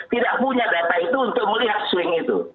tidak punya data itu untuk melihat swing itu